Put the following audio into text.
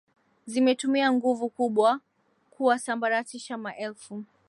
zimetumia nguvu kubwa kuwasambaratisha ma elfu